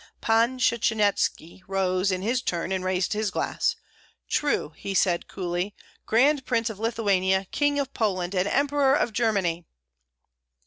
Pan Shchanyetski rose in his turn and raised his glass. "True," said he, coolly, "Grand Prince of Lithuania, King of Poland, and Emperor of Germany!"